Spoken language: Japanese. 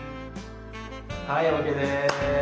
はいＯＫです。